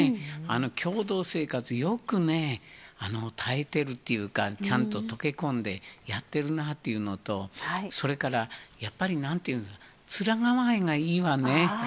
共同生活、よくね、耐えてるっていうか、ちゃんと溶け込んでやってるなっていうのと、それから、やっぱりなんていうの、面構えがいいわね。